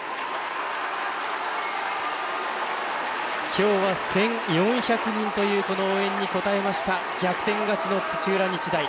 今日は１４００人という応援に応えました逆転勝ちの土浦日大。